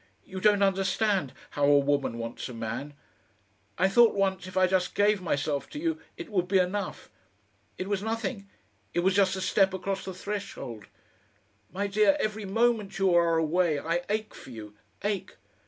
You don't understand how a woman wants a man. I thought once if I just gave myself to you it would be enough. It was nothing it was just a step across the threshold. My dear, every moment you are away I ache for you ache!